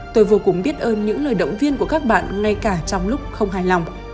tôi vô cùng biết ơn những lời động viên của các bạn ngay cả trong lúc không hài lòng